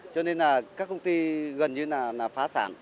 cho nên là các công ty gần như là phá sản